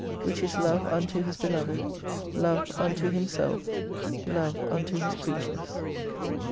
Which is Love unto His beloved, Love unto Himself, Love unto His creatures.